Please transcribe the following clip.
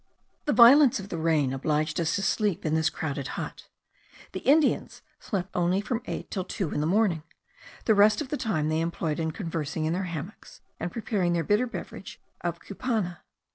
The violence of the rain obliged us to sleep in this crowded hut. The Indians slept only from eight till two in the morning; the rest of the time they employed in conversing in their hammocks, and preparing their bitter beverage of cupana.